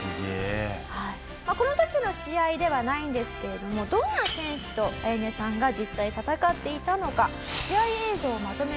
この時の試合ではないんですけれどもどんな選手とアヤネさんが実際戦っていたのか試合映像をまとめてみました。